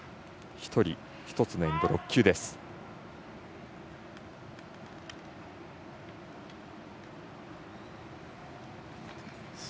１人１つのエンド６球です。